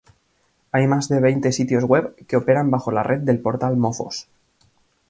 Hay más de veinte sitios web que operan bajo la red del portal Mofos.